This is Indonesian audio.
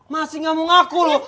masih gak mau ngaku lo